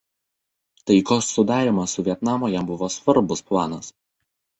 Taikos sudarymas su Vietnamu jam buvo svarbus planas.